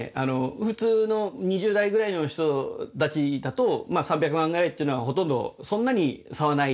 普通の２０代ぐらいの人たちだとまあ３００万ぐらいっていうのはほとんどそんなに差はないと思うんです。